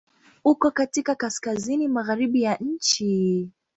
Uko katika kaskazini-magharibi ya nchi.